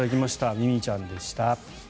三海ちゃんでした。